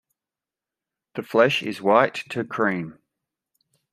The flesh is white to cream.